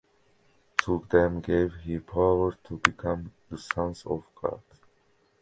To them gave He power to become the sons of God.